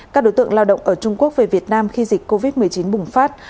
các đối tượng lao động ở trung quốc về việt nam khi dịch covid một mươi chín bùng phát